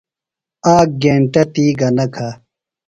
آک گینٹہ تی گہ نہ کھہ۔